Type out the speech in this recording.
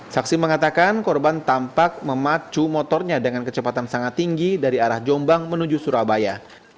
saksi mengatakan korban tampak memacu motornya dengan kecepatan sangat tinggi dari arah jombang menuju surabaya